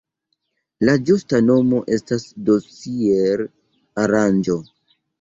La ĝusta nomo estas dosier-aranĝo.